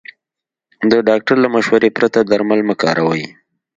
د ډاکټر له مشورې پرته درمل مه کاروئ.